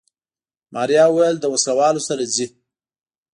ماريا وويل له وسله والو سره ځي.